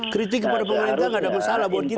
kritik kepada pemerintah nggak ada masalah buat kita